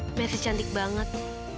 iya mer sih cantik banget